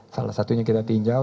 salah satunya kita titipkan